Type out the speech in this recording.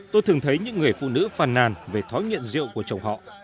tôi thường thấy những người phụ nữ phàn nàn về thói nghiện rượu của chồng họ